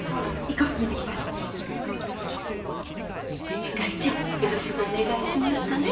自治会長よろしくお願いしますね。